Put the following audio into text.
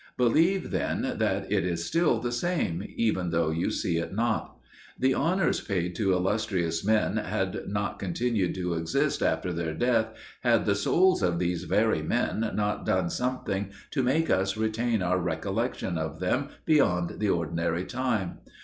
Believe then that it is still the same, even though you see it not. The honours paid to illustrious men had not continued to exist after their death, had the souls of these very men not done something to make us retain our recollection of them beyond the ordinary time.